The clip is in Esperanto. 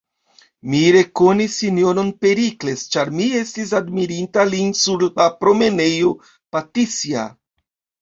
Mi rekonis S-ron Perikles, ĉar mi estis admirinta lin sur la promenejo Patisja.